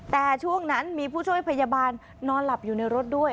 แต่ช่วงนั้นมีผู้ช่วยพยาบาลนอนหลับอยู่ในรถด้วย